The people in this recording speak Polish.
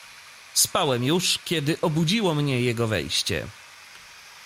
"Spałem już, kiedy obudziło mnie jego wejście."